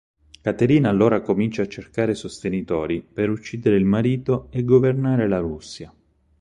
Caterina allora comincia a cercare sostenitori per uccidere il marito e governare la Russia.